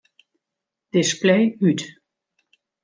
Display út.